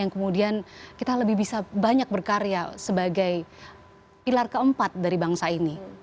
dan kemudian kita lebih bisa banyak berkarya sebagai pilar keempat dari bangsa ini